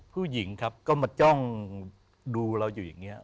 ผู้หญิงครับก็มาจ้องดูเราอยู่อย่างนี้